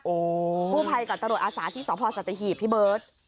โอ้โฮผู้ภัยกับตรวจอาสาที่สองพศติหีพพี่เบิร์ต